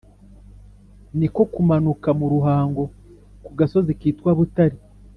Ni ko kumanuka mu Ruhango ku gasozi kitwa Butare